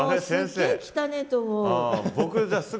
もうすげえ汚えと思う。